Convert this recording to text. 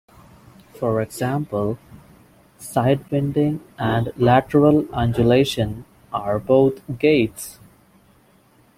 For example, sidewinding and lateral undulation are both gaits.